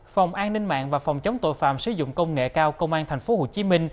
phòng an ninh mạng và phòng chống tội phạm sử dụng công nghệ cao công an tp hcm